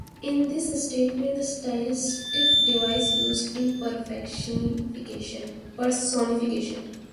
In this statement, the stylistic device used is personification.